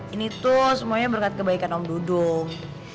ini tuh semuanya berkat kebaikan om duduk